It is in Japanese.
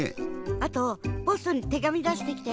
あとポストにてがみだしてきて。